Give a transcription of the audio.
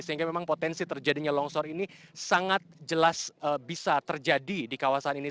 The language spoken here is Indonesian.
sehingga memang potensi terjadinya longsor ini sangat jelas bisa terjadi di kawasan ini